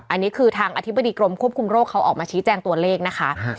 อันนี้คือทางอธิบดีกรมควบคุมโรคเขาออกมาชี้แจงตัวเลขนะคะ